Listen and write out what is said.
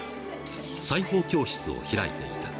裁縫教室を開いていた。